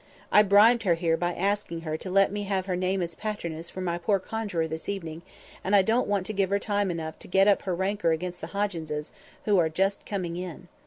I bribed her here by asking her to let me have her name as patroness for my poor conjuror this evening; and I don't want to give her time enough to get up her rancour against the Hogginses, who are just coming in.